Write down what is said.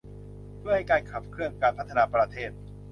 เพื่อให้การขับเคลื่อนการพัฒนาประเทศ